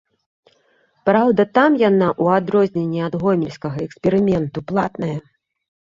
Праўда, там яна, у адрозненне ад гомельскага эксперыменту, платная.